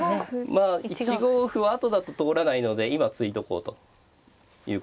まあ１五歩は後だと通らないので今突いとこうということですね。